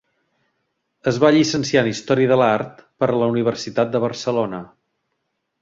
Es va llicenciar en història de l'art per la Universitat de Barcelona.